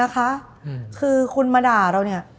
คือคุณมาด่าเรา